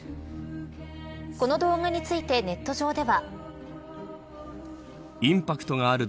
この動画についてネット上では。